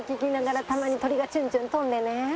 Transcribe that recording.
たまに鳥がチュンチュン飛んでね。